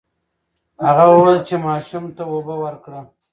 هغه وویل چې ماشوم ته اوبه ورکړه.